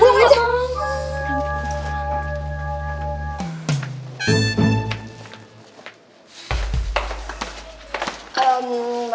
udah pulang aja